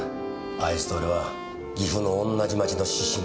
あいつと俺は岐阜の同じ町の出身でね。